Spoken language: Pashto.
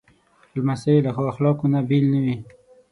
لمسی له ښو اخلاقو نه بېل نه وي.